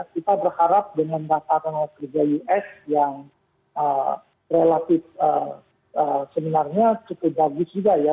kita berharap dengan data tenaga kerja us yang relatif sebenarnya cukup bagus juga ya